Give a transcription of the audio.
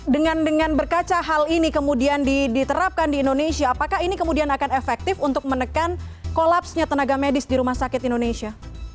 dengan berkaca hal ini kemudian diterapkan di indonesia apakah ini kemudian akan efektif untuk menekan kolapsnya tenaga medis di rumah sakit indonesia